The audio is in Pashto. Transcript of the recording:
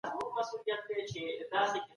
ډېر خلک د بدن غوړو د سوځولو لپاره جېم ته ځي.